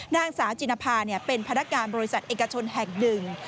นางสาวจินภาเป็นพนักการบริษัทเอกชนแห่งหนึ่ง